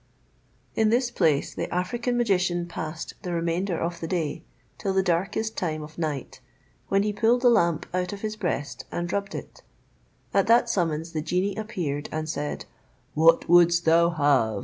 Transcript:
In this place the African magician passed the remainder of the day, till the darkest time of night, when he pulled the lamp out of his breast and rubbed it. At that summons the genie appeared, and said, "What wouldst thou have?